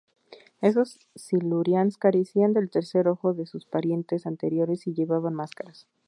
Esos Silurians carecían del tercer ojo de sus parientes anteriores, y llevaban máscaras.